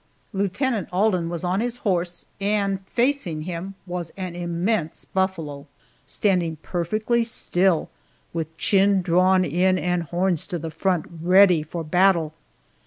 Lieutenant Alden was on his horse, and facing him was an immense buffalo, standing perfectly still with chin drawn in and horns to the front, ready for battle.